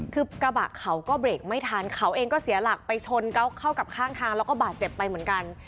คือกระบะเขาก็เบรกไม่ทันเขาเองก็เสียหลักไปชนเขาเข้ากับข้างทางแล้วก็บาดเจ็บไปเหมือนกัน